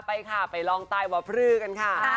ค่ะไปค่ะไปลองใต้หวัคพฤกันค่ะ